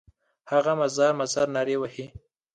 هغه مزار مزار نارې وهلې.